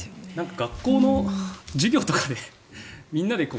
学校の授業とかでみんなで。